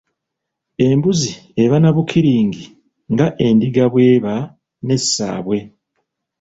Embuzi eba na bukiringi nga endiga bw’eba ne Ssaabwe.